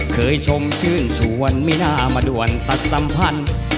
เคยชมชื่นชวนไม่น่ามาด่วนตัดสัมพันธ์